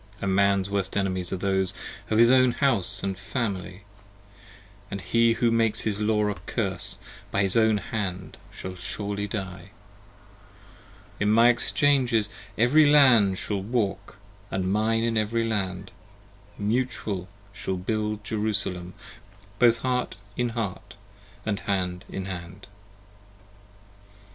A man's worst enemies are those Of his own house & family; ioo And he who makes his law a curse, By his own hand shall surely die. In my Exchanges every Land Shall walk, & mine in every Land, Mutual, shall build Jerusalem; 105 Both heart in heart & hand in hand.